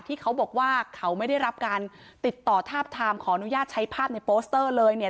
เขาบอกว่าเขาไม่ได้รับการติดต่อทาบทามขออนุญาตใช้ภาพในโปสเตอร์เลยเนี่ย